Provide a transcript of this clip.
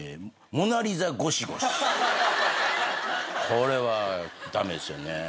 これは駄目ですよね。